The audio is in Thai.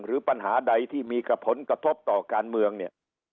หรือปัญหาใดที่มีกระผลกระทบต่อการเมืองเนี่ย